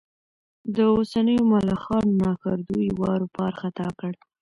د اوسنيو ملخانو ناکردو یې واروپار ختا کړ.